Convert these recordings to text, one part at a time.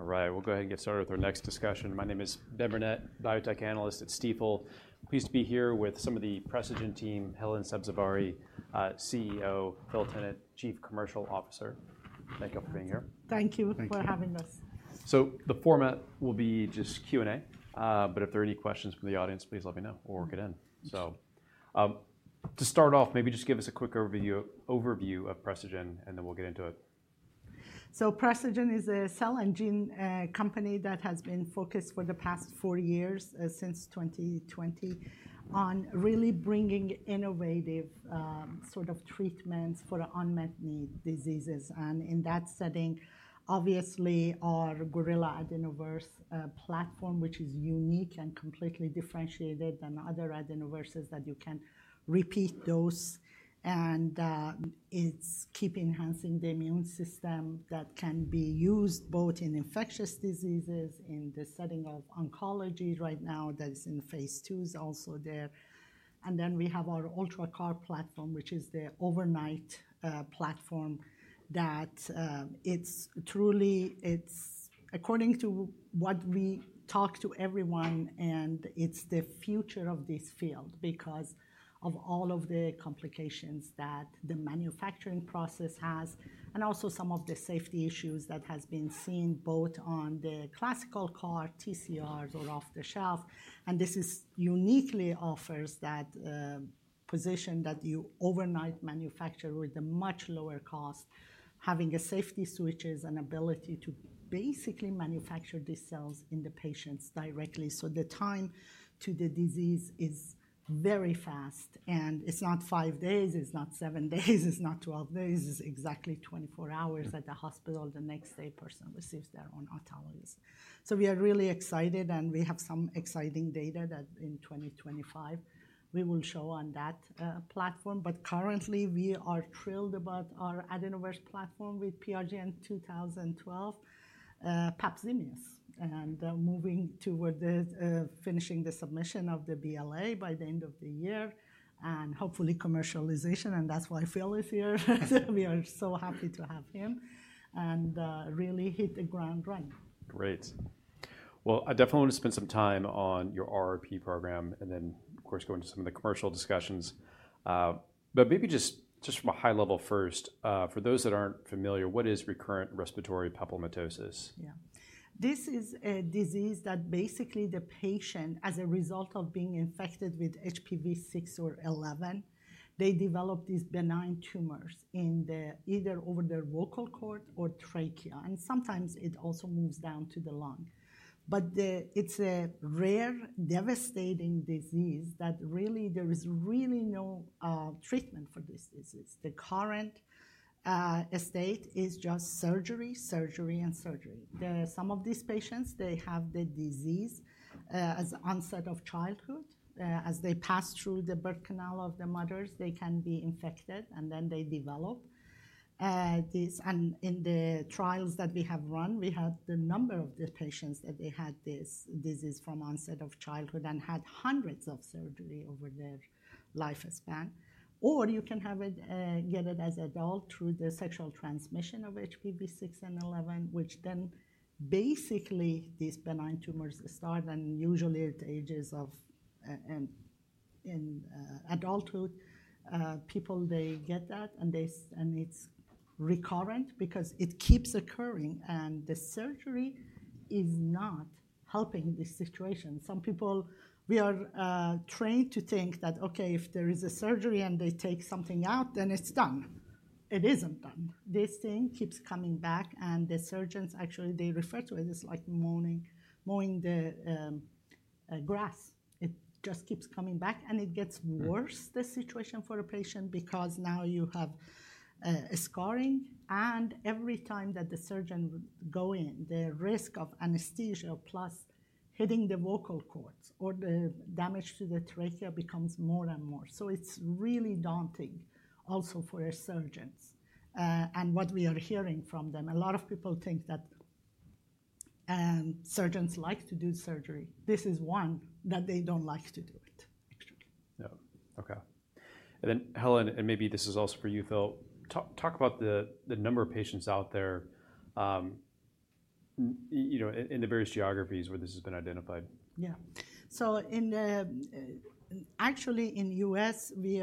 All right, we'll go ahead and get started with our next discussion. My name is Ben Burnett, biotech analyst at Stifel. Pleased to be here with some of the Precigen team, Helen Sabzevari, CEO, Phil Tennant, Chief Commercial Officer. Thank you all for being here. Thank you for having us. The format will be just Q&A, but if there are any questions from the audience, please let me know or get in. To start off, maybe just give us a quick overview of Precigen, and then we'll get into it. Precigen is a cell and gene company that has been focused for the past four years, since 2020, on really bringing innovative sort of treatments for unmet need diseases. And in that setting, obviously, our Gorilla AdenoVerse platform, which is unique and completely differentiated than other adenoviruses that you can repeat dose, and it's keeping enhancing the immune system that can be used both in infectious diseases, in the setting of oncology right now that is in phase II, is also there. And then we have our UltraCAR-T platform, which is the overnight platform that it's truly, it's according to what we talk to everyone, and it's the future of this field because of all of the complications that the manufacturing process has, and also some of the safety issues that have been seen both on the classical CAR-T/TCRs or off the shelf. This is uniquely offers that position that you overnight manufacture with a much lower cost, having the safety switches and ability to basically manufacture these cells in the patients directly. So the time to the disease is very fast, and it's not five days, it's not seven days, it's not 12 days, it's exactly 24 hours at the hospital. The next day, the person receives their own autologous. So we are really excited, and we have some exciting data that in 2025 we will show on that platform. But currently, we are thrilled about our adenovirus platform with PRGN-2012, Papzimeos, and moving toward finishing the submission of the BLA by the end of the year and hopefully commercialization. That's why Phil is here. We are so happy to have him and really hit the ground running. Great. Well, I definitely want to spend some time on your RRP program and then, of course, go into some of the commercial discussions. But maybe just from a high level first, for those that aren't familiar, what is Recurrent Respiratory Papillomatosis? Yeah. This is a disease that basically the patient, as a result of being infected with HPV 6 or 11, they develop these benign tumors in either over their vocal cord or trachea, and sometimes it also moves down to the lung, but it's a rare, devastating disease that really there is really no treatment for this disease. The current state is just surgery, surgery, and surgery. Some of these patients, they have the disease as onset of childhood. As they pass through the birth canal of the mothers, they can be infected, and then they develop this, and in the trials that we have run, we had the number of the patients that they had this disease from onset of childhood and had hundreds of surgeries over their lifespan. Or you can have it, get it as adult through the sexual transmission of HPV 6 and 11, which then basically these benign tumors start, and usually at ages of in adulthood, people, they get that, and it's recurrent because it keeps occurring, and the surgery is not helping the situation. Some people, we are trained to think that, okay, if there is a surgery and they take something out, then it's done. It isn't done. This thing keeps coming back, and the surgeons actually, they refer to it as like mowing the grass. It just keeps coming back, and it gets worse, the situation for a patient because now you have scarring, and every time that the surgeon goes in, the risk of anesthesia plus hitting the vocal cords or the damage to the trachea becomes more and more. So it's really daunting also for surgeons and what we are hearing from them. A lot of people think that surgeons like to do surgery. This is one that they don't like to do it, actually. Yeah. Okay. And then Helen, and maybe this is also for you, Phil, talk about the number of patients out there in the various geographies where this has been identified. Yeah. So, actually, in the U.S., the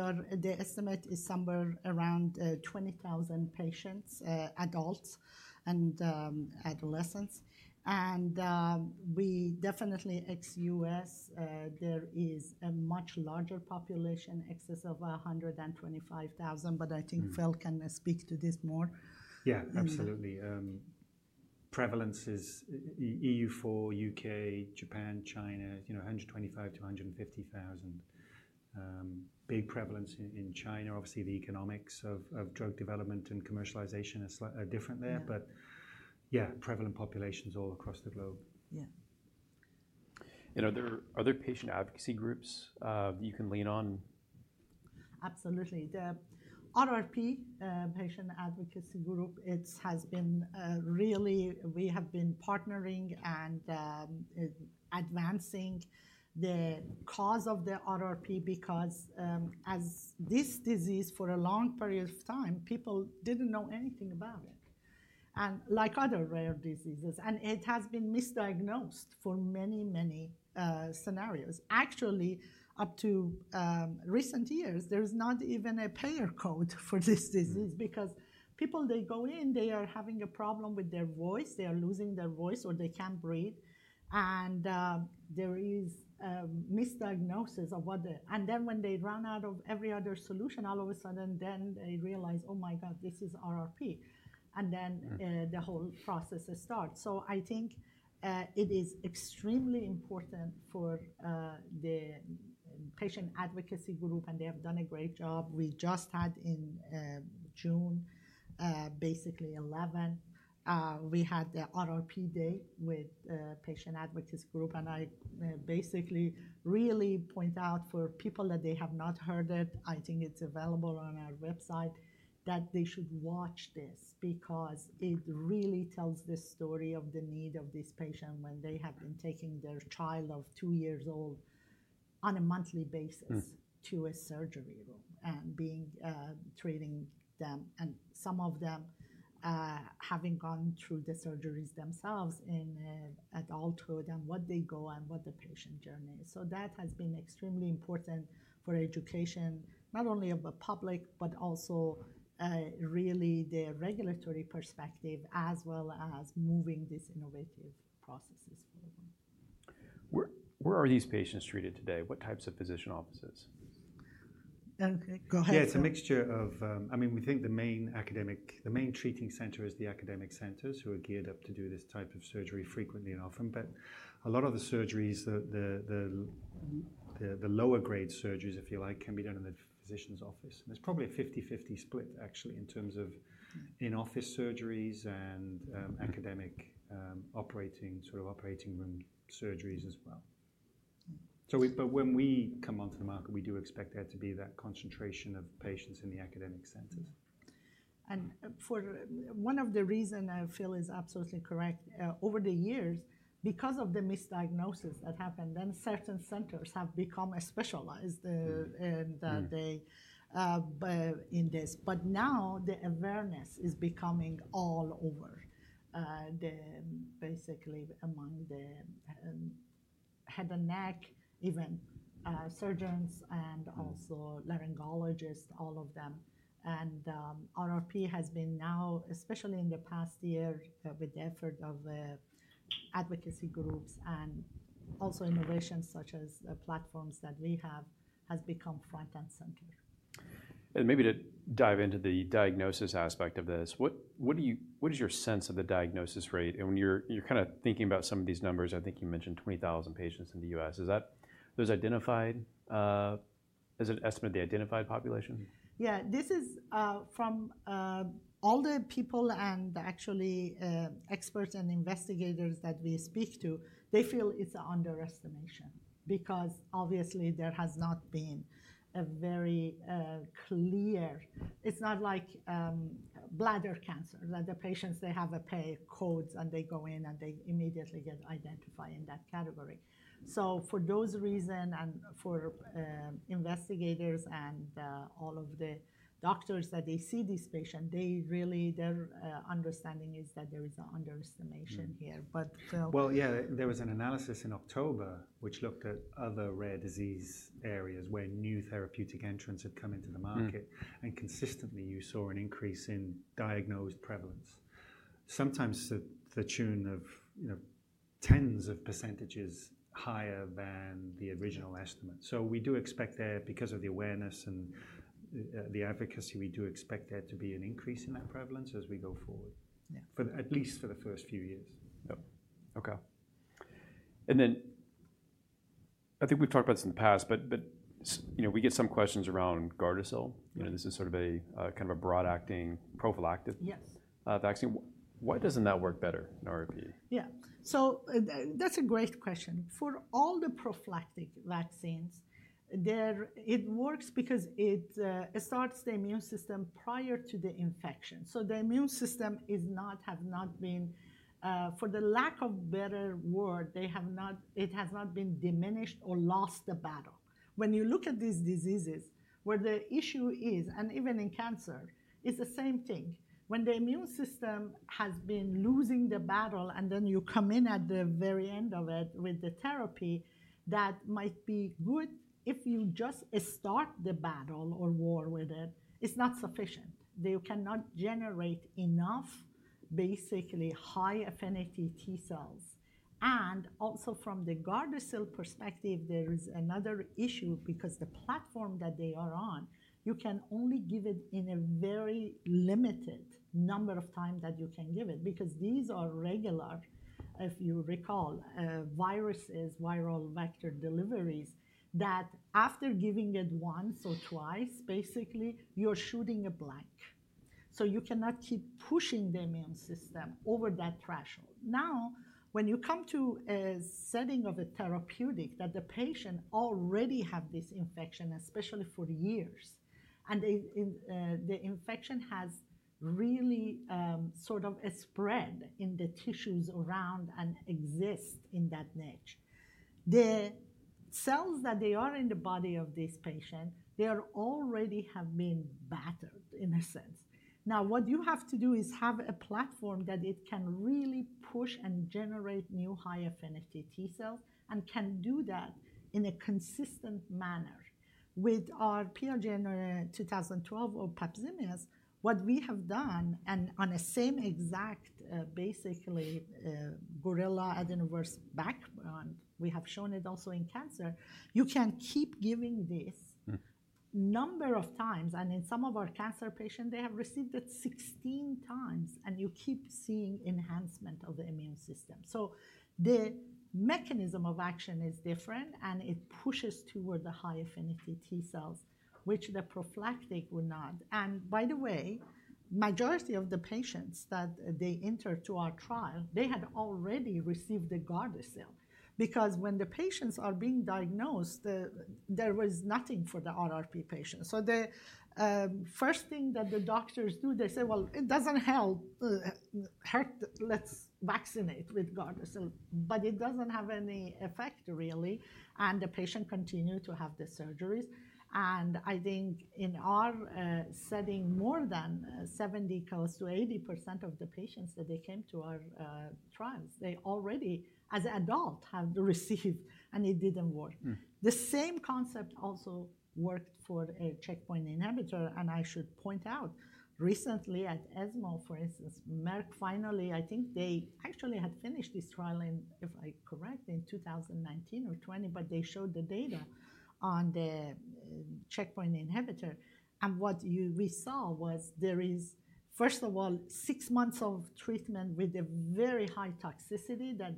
estimate is somewhere around 20,000 patients, adults and adolescents, and we definitely ex-U.S., there is a much larger population, excess of 125,000, but I think Phil can speak to this more. Yeah, absolutely. Prevalence is EU4, U.K., Japan, China, 125,000-150,000. Big prevalence in China. Obviously, the economics of drug development and commercialization are different there, but yeah, prevalent populations all across the globe. Yeah. Are there other patient advocacy groups that you can lean on? Absolutely. The RRP patient advocacy group, it has been really, we have been partnering and advancing the cause of the RRP because, as this disease for a long period of time, people didn't know anything about it. And like other rare diseases, it has been misdiagnosed for many, many scenarios. Actually, up to recent years, there is not even a payer code for this disease because people, they go in, they are having a problem with their voice, they are losing their voice, or they can't breathe. And there is misdiagnosis of what the, and then when they run out of every other solution, all of a sudden then they realize, oh my God, this is RRP. And then the whole process starts. So I think it is extremely important for the patient advocacy group, and they have done a great job. We just had in June, basically 11. We had the RRP day with the patient advocacy group, and I basically really point out for people that they have not heard it. I think it's available on our website that they should watch this because it really tells the story of the need of this patient when they have been taking their child of two years old on a monthly basis to a surgery room and being treating them, and some of them having gone through the surgeries themselves in adulthood and what they go and what the patient journey is. So that has been extremely important for education, not only of the public, but also really the regulatory perspective as well as moving these innovative processes forward. Where are these patients treated today? What types of physician offices? Go ahead. Yeah, it's a mixture of, I mean, we think the main academic, the main treating center is the academic centers who are geared up to do this type of surgery frequently and often, but a lot of the surgeries, the lower grade surgeries, if you like, can be done in the physician's office, and there's probably a 50/50 split actually in terms of in-office surgeries and academic operating sort of operating room surgeries as well, but when we come onto the market, we do expect there to be that concentration of patients in the academic centers. One of the reasons Phil is absolutely correct, over the years, because of the misdiagnosis that happened, then certain centers have become specialized in this. But now the awareness is becoming all over, basically among the head and neck, even surgeons and also laryngologists, all of them. RRP has been now, especially in the past year with the effort of advocacy groups and also innovations such as platforms that we have has become front and center. Maybe to dive into the diagnosis aspect of this, what is your sense of the diagnosis rate? When you're kind of thinking about some of these numbers, I think you mentioned 20,000 patients in the U.S. Is that, is that an estimate of the identified population? Yeah, this is from all the people and actually experts and investigators that we speak to. They feel it's an underestimation because obviously there has not been a very clear. It's not like bladder cancer that the patients, they have a pay codes and they go in and they immediately get identified in that category. So for those reasons and for investigators and all of the doctors that they see these patients, they really, their understanding is that there is an underestimation here. Yeah, there was an analysis in October which looked at other rare disease areas where new therapeutic entrants had come into the market, and consistently you saw an increase in diagnosed prevalence, sometimes to the tune of tens of percentages higher than the original estimate. So we do expect there because of the awareness and the advocacy, we do expect there to be an increase in that prevalence as we go forward, at least for the first few years. Yeah. Okay. And then I think we've talked about this in the past, but we get some questions around Gardasil. This is sort of a kind of a broad-acting prophylactic vaccine. Why doesn't that work better in RRP? Yeah. So that's a great question. For all the prophylactic vaccines, it works because it starts the immune system prior to the infection. So the immune system has not been, for the lack of better word, it has not been diminished or lost the battle. When you look at these diseases, where the issue is, and even in cancer, it's the same thing. When the immune system has been losing the battle and then you come in at the very end of it with the therapy, that might be good. If you just start the battle or war with it, it's not sufficient. They cannot generate enough basically high-affinity T cells. And also from the Gardasil perspective, there is another issue because the platform that they are on, you can only give it in a very limited number of times that you can give it because these are regular, if you recall, viruses, viral vector deliveries that after giving it once or twice, basically you're shooting a blank, so you cannot keep pushing the immune system over that threshold. Now, when you come to a setting of a therapeutic that the patient already has this infection, especially for years, and the infection has really sort of spread in the tissues around and exists in that niche, the cells that they are in the body of this patient, they already have been battered in a sense. Now, what you have to do is have a platform that it can really push and generate new high-affinity T cells and can do that in a consistent manner. With our PRGN-2012 or PAPZIMEOS, what we have done and on the same exact basically Gorilla Adenovirus background, we have shown it also in cancer, you can keep giving this number of times. And in some of our cancer patients, they have received it 16 times, and you keep seeing enhancement of the immune system. So the mechanism of action is different, and it pushes toward the high-affinity T cells, which the prophylactic would not. And by the way, the majority of the patients that they enter to our trial, they had already received the Gardasil because when the patients are being diagnosed, there was nothing for the RRP patients. So the first thing that the doctors do, they say, well, it doesn't help, let's vaccinate with Gardasil, but it doesn't have any effect really. And the patient continued to have the surgeries. And I think in our setting, more than 70, close to 80% of the patients that they came to our trials, they already as adults have received and it didn't work. The same concept also worked for a checkpoint inhibitor. And I should point out recently at ESMO, for instance, Merck finally, I think they actually had finished this trial in, if I correct, in 2019 or 2020, but they showed the data on the checkpoint inhibitor. And what we saw was there is, first of all, six months of treatment with a very high toxicity that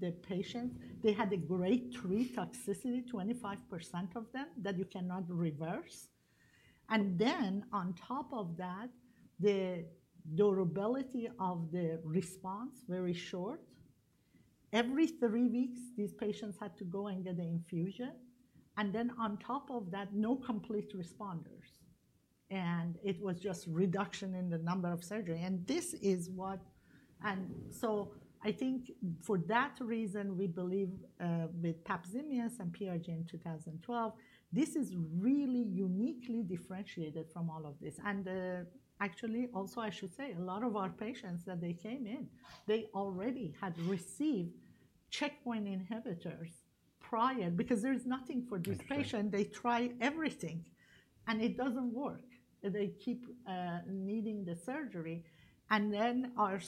the patients, they had a grade three toxicity, 25% of them that you cannot reverse. And then on top of that, the durability of the response was very short. Every three weeks, these patients had to go and get an infusion. And then on top of that, no complete responders. And it was just reduction in the number of surgeries. And this is what, and so I think for that reason, we believe with PAPZIMEOS and PRGN-2012, this is really uniquely differentiated from all of this. And actually also, I should say a lot of our patients that they came in, they already had received checkpoint inhibitors prior because there is nothing for this patient. They tried everything, and it doesn't work. They keep needing the surgery. And then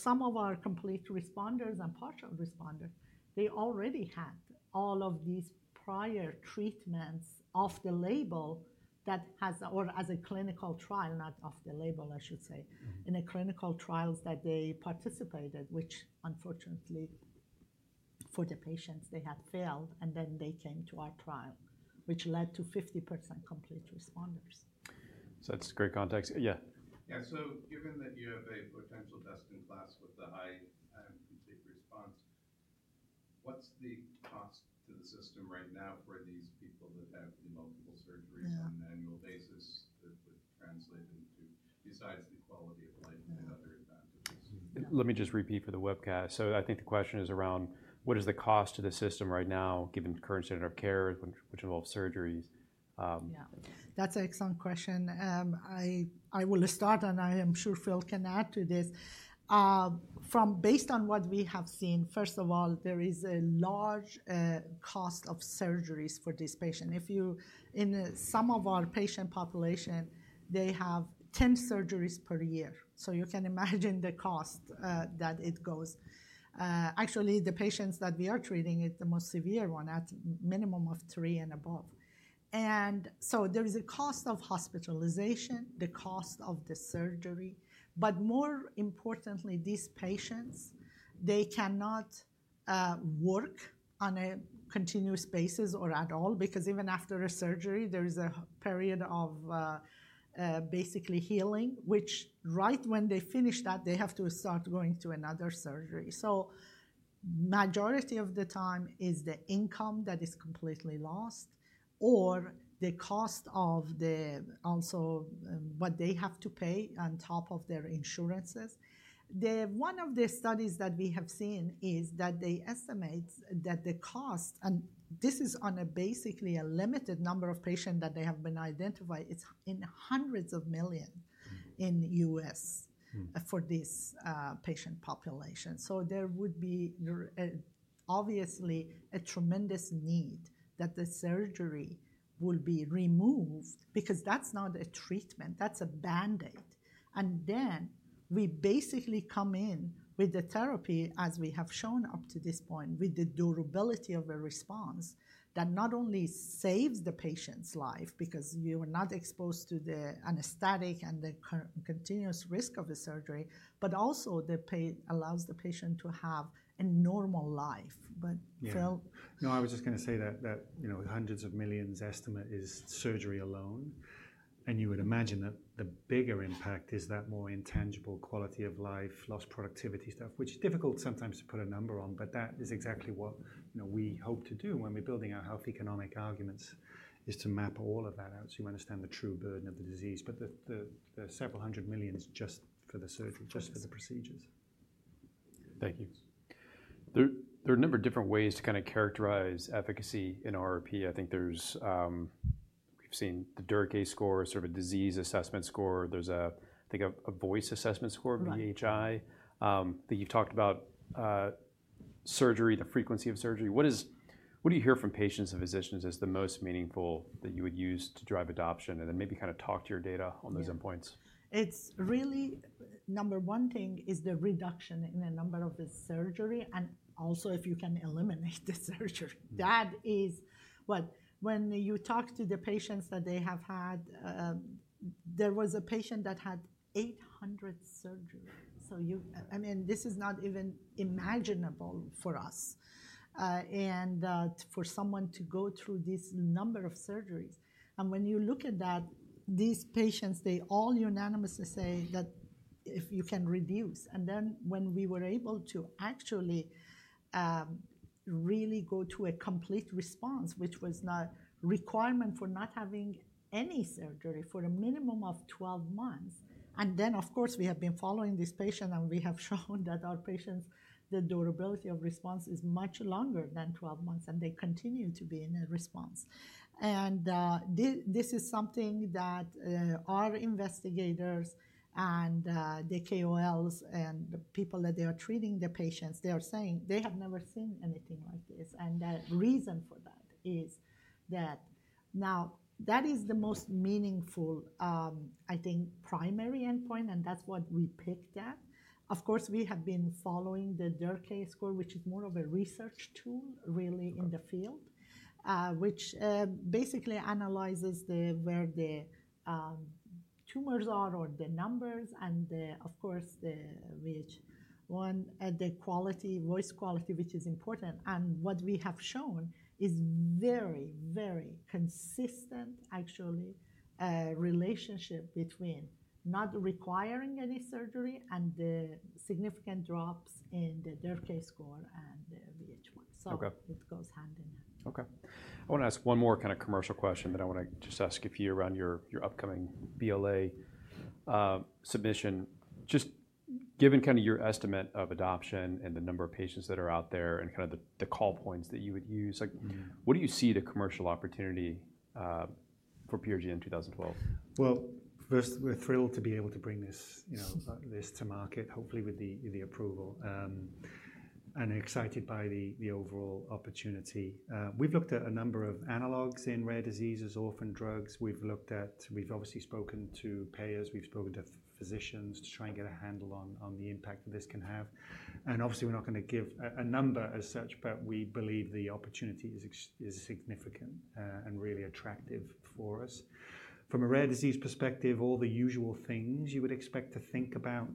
some of our complete responders and partial responders, they already had all of these prior treatments off-label that have or as a clinical trial, not off-label, I should say, in clinical trials that they participated, which unfortunately for the patients, they had failed, and then they came to our trial, which led to 50% complete responders. So that's great context. Yeah. Yeah. So given that you have a potential best in class with the high affinity response, what's the cost to the system right now for these people that have multiple surgeries on an annual basis that would translate into, besides the quality of life and other advantages? Let me just repeat for the webcast, so I think the question is around what is the cost to the system right now given the current standard of care, which involves surgeries? Yeah, that's an excellent question. I will start, and I am sure Phil can add to this. Based on what we have seen, first of all, there is a large cost of surgeries for this patient. If you, in some of our patient population, they have 10 surgeries per year. So you can imagine the cost that it goes. Actually, the patients that we are treating, the most severe one at minimum of three and above. And so there is a cost of hospitalization, the cost of the surgery, but more importantly, these patients, they cannot work on a continuous basis or at all because even after a surgery, there is a period of basically healing, which right when they finish that, they have to start going to another surgery. The majority of the time is the income that is completely lost or the cost of the also what they have to pay on top of their insurances. One of the studies that we have seen is that they estimate that the cost, and this is on basically a limited number of patients that they have been identified. It's hundreds of millions in the U.S. for this patient population. There would be obviously a tremendous need that the surgery will be removed because that's not a treatment, that's a band-aid. Then we basically come in with the therapy, as we have shown up to this point, with the durability of a response that not only saves the patient's life because you are not exposed to the anesthetic and the continuous risk of the surgery, but also allows the patient to have a normal life. But Phil? No, I was just going to say that hundreds of millions estimate is surgery alone. And you would imagine that the bigger impact is that more intangible quality of life, lost productivity stuff, which is difficult sometimes to put a number on, but that is exactly what we hope to do when we're building our health economic arguments is to map all of that out so you understand the true burden of the disease. But the several hundred millions just for the surgery, just for the procedures. Thank you. There are several different ways to kind of characterize efficacy in RRP. I think we've seen the Derkay score, sort of a disease assessment score. There's a, I think, a voice assessment score, VHI, that you've talked about surgery, the frequency of surgery. What do you hear from patients and physicians is the most meaningful that you would use to drive adoption and then maybe kind of talk to your data on those endpoints? It's really number one thing is the reduction in the number of the surgery, and also if you can eliminate the surgery. That is what when you talk to the patients that they have had, there was a patient that had 800 surgeries. So I mean, this is not even imaginable for us and for someone to go through this number of surgeries. And when you look at that, these patients, they all unanimously say that if you can reduce. And then when we were able to actually really go to a complete response, which was not a requirement for not having any surgery for a minimum of 12 months. And then, of course, we have been following this patient and we have shown that our patients, the durability of response is much longer than 12 months and they continue to be in a response. This is something that our investigators and the KOLs and the people that they are treating the patients, they are saying they have never seen anything like this. The reason for that is that now that is the most meaningful, I think, primary endpoint, and that's what we picked at. Of course, we have been following the Derkay score, which is more of a research tool really in the field, which basically analyzes where the tumors are or the numbers and of course, which one at the quality, voice quality, which is important. What we have shown is very, very consistent actually relationship between not requiring any surgery and the significant drops in the Derkay score and the VHI. It goes hand in hand. Okay. I want to ask one more kind of commercial question that I want to just ask a few around your upcoming BLA submission. Just given kind of your estimate of adoption and the number of patients that are out there and kind of the call points that you would use, what do you see the commercial opportunity for PRGN-2012? First, we're thrilled to be able to bring this to market, hopefully with the approval and excited by the overall opportunity. We've looked at a number of analogs in rare diseases, orphan drugs. We've looked at, we've obviously spoken to payers, we've spoken to physicians to try and get a handle on the impact that this can have, and obviously, we're not going to give a number as such, but we believe the opportunity is significant and really attractive for us. From a rare disease perspective, all the usual things you would expect to think about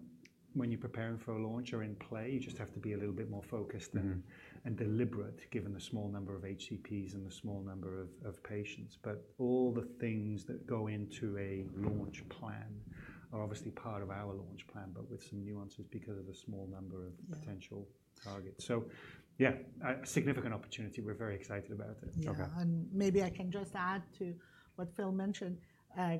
when you're preparing for a launch are in play. You just have to be a little bit more focused and deliberate given the small number of HCPs and the small number of patients. But all the things that go into a launch plan are obviously part of our launch plan, but with some nuances because of the small number of potential targets. So yeah, a significant opportunity. We're very excited about it. Yeah. And maybe I can just add to what Phil mentioned.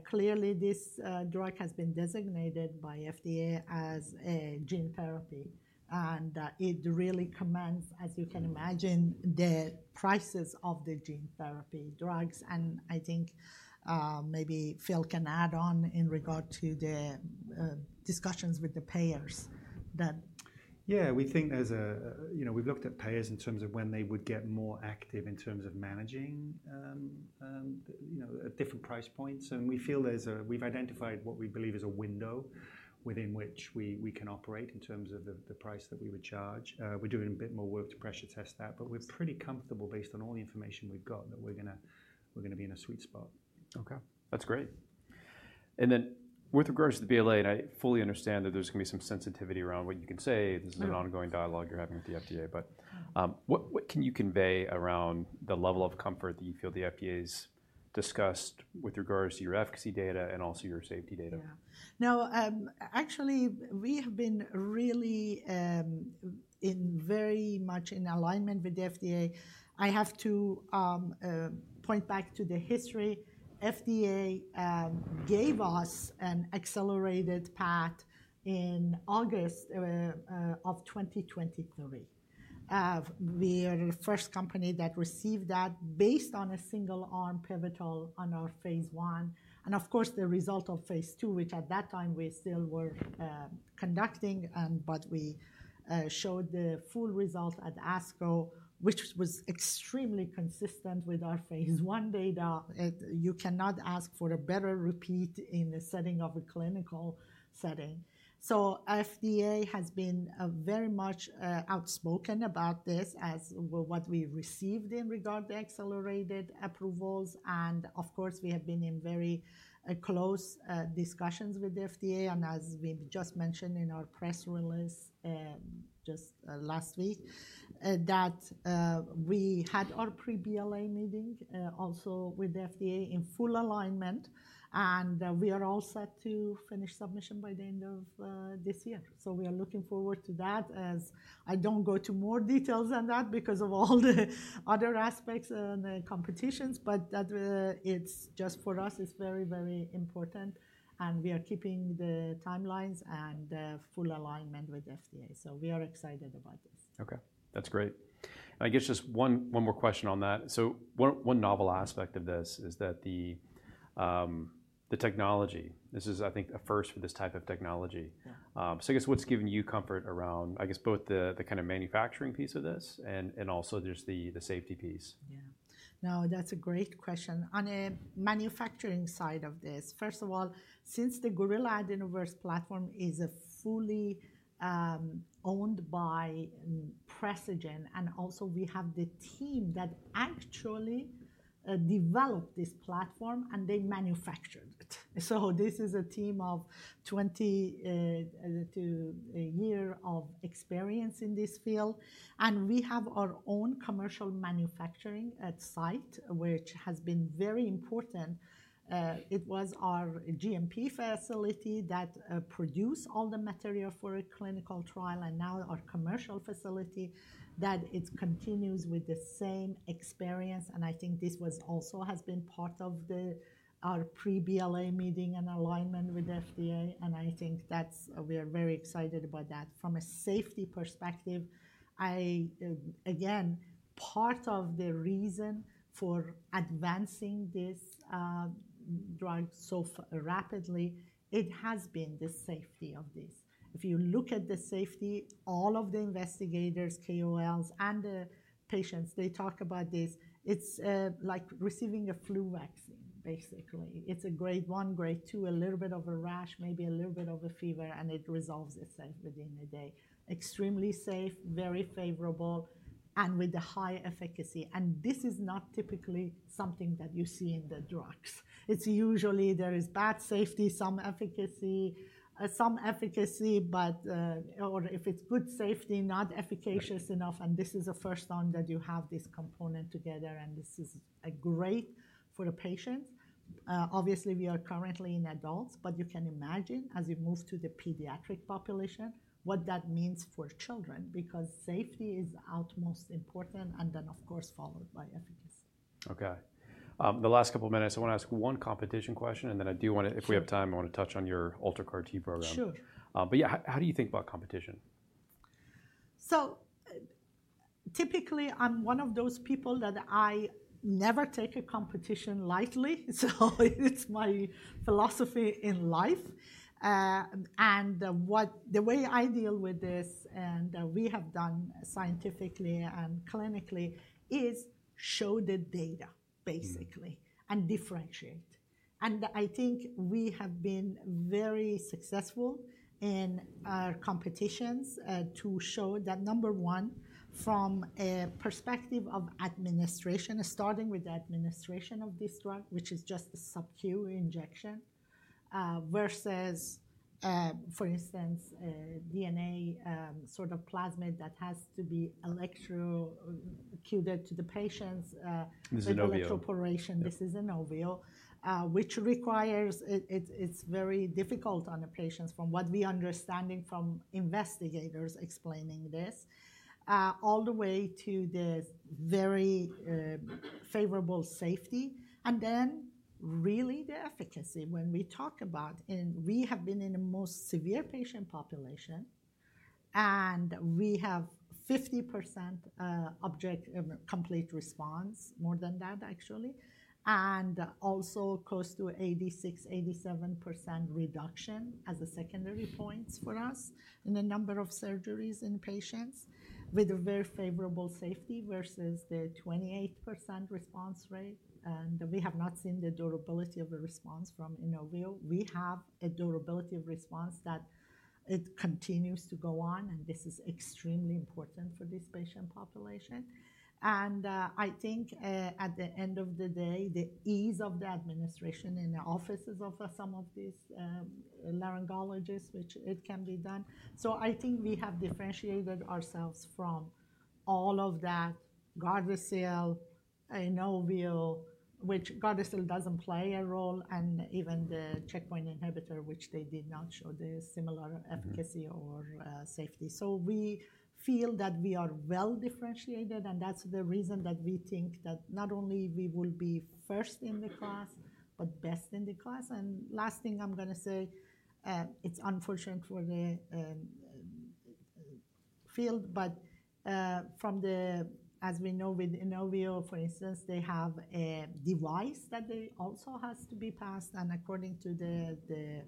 Clearly, this drug has been designated by FDA as a gene therapy. And it really commands, as you can imagine, the prices of the gene therapy drugs. And I think maybe Phil can add on in regard to the discussions with the payers that. Yeah, we think there's, you know, we've looked at payers in terms of when they would get more active in terms of managing at different price points, and we feel there's, we've identified what we believe is a window within which we can operate in terms of the price that we would charge. We're doing a bit more work to pressure test that, but we're pretty comfortable based on all the information we've got that we're going to be in a sweet spot. Okay. That's great. And then with regards to the BLA, and I fully understand that there's going to be some sensitivity around what you can say. This is an ongoing dialogue you're having with the FDA, but what can you convey around the level of comfort that you feel the FDA's discussed with regards to your efficacy data and also your safety data? Yeah. Now, actually, we have been really in very much in alignment with the FDA. I have to point back to the history. FDA gave us an accelerated path in August of 2023. We are the first company that received that based on a single arm pivotal on our phase one. And of course, the result of phase two, which at that time we still were conducting, but we showed the full result at ASCO, which was extremely consistent with our phase one data. You cannot ask for a better repeat in the setting of a clinical setting. So FDA has been very much outspoken about this as what we received in regard to accelerated approvals. And of course, we have been in very close discussions with the FDA. And as we just mentioned in our press release just last week, that we had our pre-BLA meeting also with the FDA in full alignment. And we are all set to finish submission by the end of this year. So we are looking forward to that. I don't go into more details on that because of all the other aspects and the competition, but it's just for us; it's very, very important. And we are keeping the timelines and full alignment with FDA. So we are excited about this. Okay. That's great. I guess just one more question on that. So one novel aspect of this is that the technology, this is I think a first for this type of technology. So I guess what's given you comfort around, I guess, both the kind of manufacturing piece of this and also just the safety piece? Yeah. No, that's a great question. On a manufacturing side of this, first of all, since the Gorilla AdenoVerse platform is fully owned by Precigen and also we have the team that actually developed this platform and they manufactured it. So this is a team of 20 to 30 years of experience in this field. And we have our own commercial manufacturing onsite, which has been very important. It was our GMP facility that produced all the material for a clinical trial and now our commercial facility that continues with the same experience. And I think this was also has been part of our pre-BLA meeting and alignment with the FDA. And I think that's we are very excited about that. From a safety perspective, again, part of the reason for advancing this drug so rapidly, it has been the safety of this. If you look at the safety, all of the investigators, KOLs, and the patients, they talk about this. It's like receiving a flu vaccine, basically. It's a grade one, grade two, a little bit of a rash, maybe a little bit of a fever, and it resolves itself within a day. Extremely safe, very favorable, and with a high efficacy. And this is not typically something that you see in the drugs. It's usually there is bad safety, some efficacy, some efficacy, but if it's good safety, not efficacious enough. And this is the first time that you have this component together and this is great for the patients. Obviously, we are currently in adults, but you can imagine as you move to the pediatric population, what that means for children because safety is utmost important and then of course followed by efficacy. Okay. The last couple of minutes, I want to ask one competition question and then I do want to, if we have time, I want to touch on your UltraCAR-T program. Sure. But yeah, how do you think about competition? So typically, I'm one of those people that I never take a competition lightly. So it's my philosophy in life. And the way I deal with this and we have done scientifically and clinically is show the data, basically, and differentiate. And I think we have been very successful in our competitions to show that number one from a perspective of administration, starting with the administration of this drug, which is just a Sub-Q injection versus, for instance, DNA sort of plasmid that has to be electroporated to the patients. This is a novel. Electroporation, this is Inovio, which requires, it's very difficult on the patients from what we understand from investigators explaining this, all the way to the very favorable safety and then really the efficacy. When we talk about, and we have been in the most severe patient population and we have 50% complete response, more than that actually, and also close to 86%-87% reduction as a secondary points for us in the number of surgeries in patients with a very favorable safety versus the 28% response rate. And we have not seen the durability of a response from Inovio. We have a durability of response that it continues to go on and this is extremely important for this patient population. And I think at the end of the day, the ease of the administration in the offices of some of these laryngologists, which it can be done. So I think we have differentiated ourselves from all of that, Gardasil, Inovio, which Gardasil doesn't play a role and even the checkpoint inhibitor, which they did not show the similar efficacy or safety. So we feel that we are well differentiated and that's the reason that we think that not only we will be first in the class, but best in the class. And last thing I'm going to say, it's unfortunate for the field, but from the, as we know with Inovio, for instance, they have a device that also has to be passed. And according to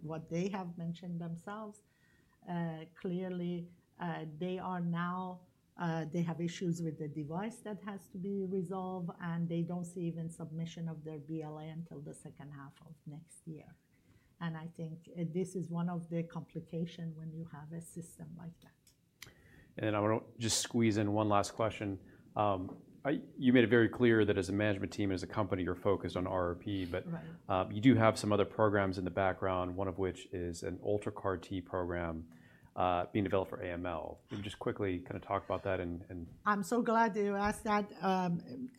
what they have mentioned themselves, clearly they are now, they have issues with the device that has to be resolved and they don't see even submission of their BLA until the second half of next year. I think this is one of the complications when you have a system like that. And then I want to just squeeze in one last question. You made it very clear that as a management team, as a company, you're focused on RRP, but you do have some other programs in the background, one of which is an UltraCAR T program being developed for AML. Just quickly kind of talk about that and. I'm so glad you asked that.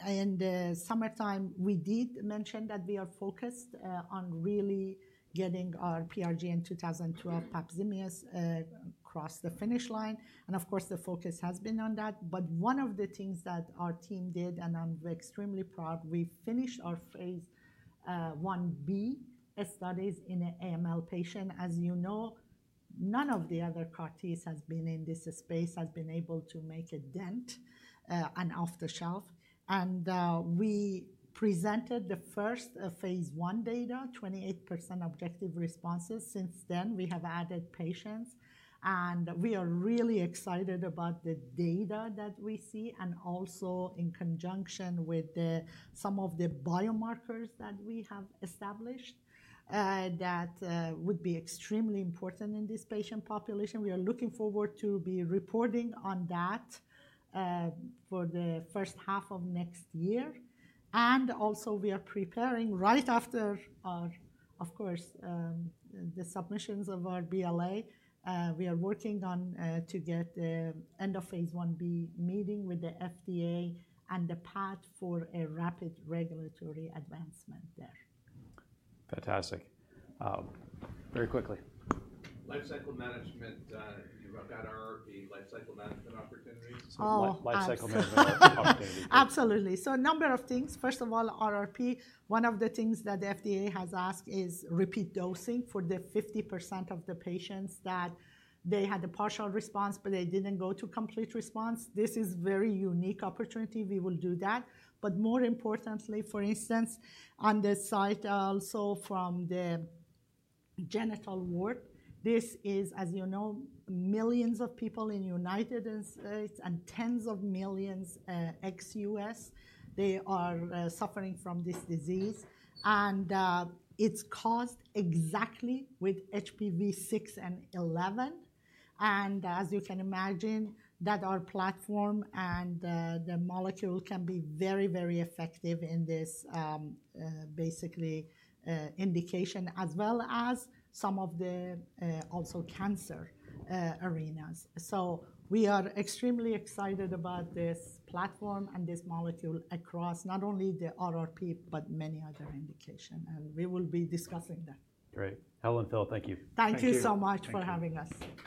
In the summertime, we did mention that we are focused on really getting our PRGN-2012 patients across the finish line, and of course, the focus has been on that, but one of the things that our team did, and I'm extremely proud, we finished our phase one B studies in an AML patient. As you know, none of the other CAR Ts has been in this space, has been able to make a dent and off the shelf, and we presented the first phase one data, 28% objective responses. Since then, we have added patients and we are really excited about the data that we see and also in conjunction with some of the biomarkers that we have established that would be extremely important in this patient population. We are looking forward to be reporting on that for the first half of next year. Also, we are preparing right after, of course, the submissions of our BLA. We are working on to get the end-of-phase 1b meeting with the FDA and the path for a rapid regulatory advancement there. Fantastic. Very quickly. Life cycle management, you've got RRP, life cycle management opportunities. Oh, life cycle management opportunities. Absolutely. A number of things. First of all, RRP, one of the things that the FDA has asked is repeat dosing for the 50% of the patients that they had a partial response, but they didn't go to complete response. This is a very unique opportunity. We will do that. But more importantly, for instance, on the side also from the genital warts, this is, as you know, millions of people in the United States and tens of millions ex-US, they are suffering from this disease. And it's caused exactly with HPV 6 and 11. And as you can imagine, that our platform and the molecule can be very, very effective in this basically indication as well as some of the also cancer arenas. So we are extremely excited about this platform and this molecule across not only the RRP, but many other indications. And we will be discussing that. Great. Helen and Phil, thank you. Thank you so much for having us.